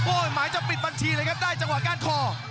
หมายจะปิดบัญชีเลยครับได้จังหวะก้านคอ